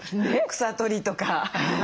草取りとか。